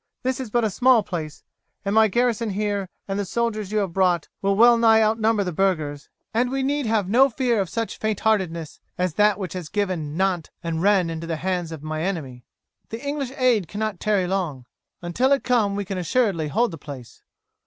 "This is but a small place, and my garrison here, and the soldiers you have brought, will well nigh outnumber the burghers; and we need have no fear of such faintheartedness as that which has given Nantes and Rennes into the hands of my enemy. The English aid cannot tarry long. Until it come we can assuredly hold the place."